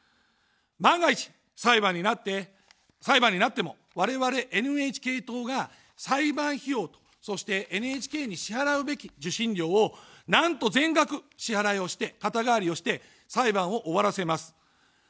万が一、裁判になっても我々ＮＨＫ党が裁判費用と、そして、ＮＨＫに支払うべき受信料を、なんと全額支払いをして、肩代わりをして裁判を終わらせます。